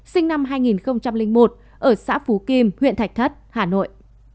sinh năm hai nghìn một ở xã phú kim huyện thạch thất hà nội